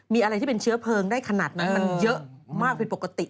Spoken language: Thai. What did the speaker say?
มีอะไรที่เป็นเชื้อเพลิงได้ขนาดนั้นมันเยอะมากผิดปกติ